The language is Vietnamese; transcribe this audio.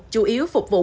chủ yếu phục vụ